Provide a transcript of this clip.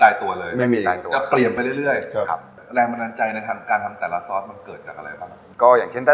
เยอะมากเลยครับตอนนี้